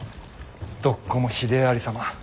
どっこもひでえありさま。